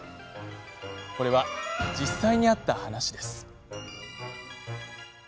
これは、実際にあった話です。